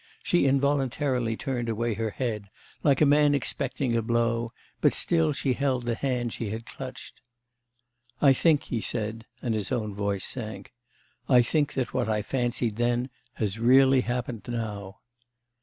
She involuntarily turned away her head, like a man expecting a blow, but she still held the hand she had clutched. 'I think,' he said, and his own voice sank, 'I think that what I fancied then has really happened now.